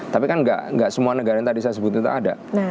tapi kan nggak semua negara yang tadi saya sebutin itu ada